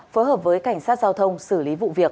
phối hợp với cảnh sát giao thông xử lý vụ việc